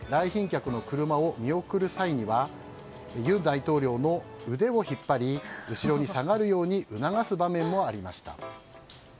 賓客の車を見送る際には尹大統領の腕を引っ張り後ろに下がるように促す場面もありました。